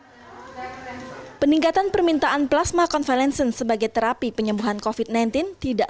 peningkatan permintaan plasma konvalencent sebagai terapi penyembuhan kofit sembilan belas tidak